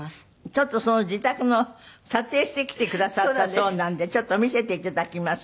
ちょっとその自宅の撮影してきてくださったそうなんでちょっと見せていただきます。